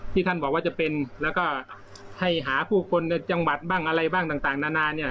ท่านบอกว่าจะเป็นแล้วก็ให้หาผู้คนในจังหวัดบ้างอะไรบ้างต่างนานาเนี่ย